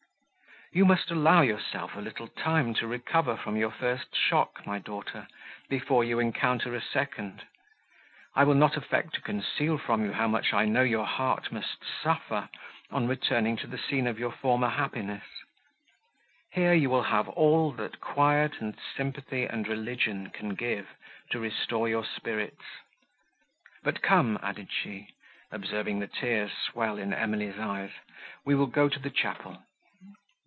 "You must allow yourself a little time to recover from your first shock, my daughter, before you encounter a second; I will not affect to conceal from you how much I know your heart must suffer, on returning to the scene of your former happiness. Here, you will have all, that quiet and sympathy and religion can give, to restore your spirits. But come," added she, observing the tears swell in Emily's eyes, "we will go to the chapel."